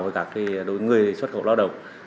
về các cái đối người xuất khẩu lao động